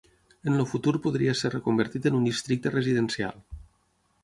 En el futur podria ser reconvertit en un districte residencial.